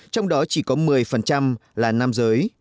trong đó chỉ có một mươi là nam giới